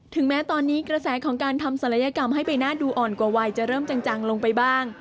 แม้ตอนนี้กระแสของการทำศัลยกรรมให้ใบหน้าดูอ่อนกว่าวัยจะเริ่มจังลงไปบ้าง